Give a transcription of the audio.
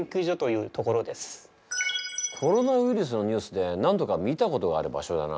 コロナウイルスのニュースで何度か見たことがある場所だな。